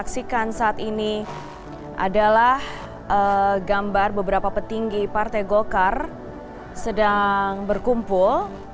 yang bisa disaksikan saat ini adalah gambar beberapa petinggi partai golkar sedang berkumpul